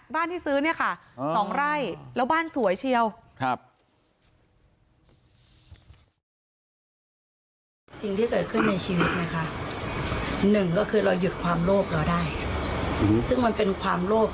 ที่ซื้อเนี่ยค่ะ๒ไร่แล้วบ้านสวยเชียว